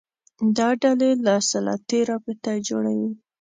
دا ډلې له سلطې رابطه جوړوي